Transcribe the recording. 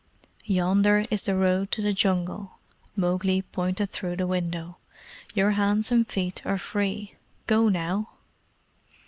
"Yonder is the road to the Jungle" Mowgli pointed through the window. "Your hands and feet are free. Go now."